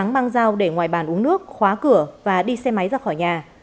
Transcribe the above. bài bàn uống nước khóa cửa và đi xe máy ra khỏi nhà